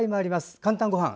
「かんたんごはん」